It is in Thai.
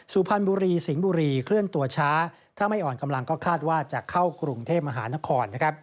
สุพรรณบุรีสิงห์บุรีเคลื่อนตัวช้าถ้าไม่อ่อนกำลังก็คาดว่าจะเข้ากรุงเทพมหานคร